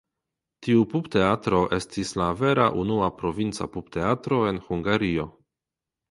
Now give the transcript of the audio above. Tiu pupteatro estis la vera unua provinca pupteatro en Hungario.